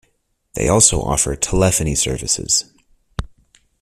They also offer Telephony services.